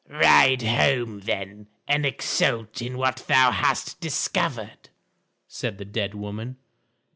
"Ride home, then, and exult in what thou hast discovered," said the dead woman.